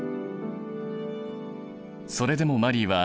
それでもマリーは